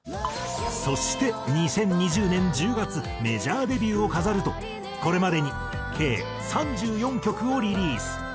そして２０２０年１０月メジャーデビューを飾るとこれまでに計３４曲をリリース。